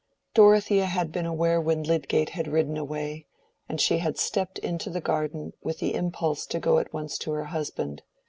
Dorothea had been aware when Lydgate had ridden away, and she had stepped into the garden, with the impulse to go at once to her husband.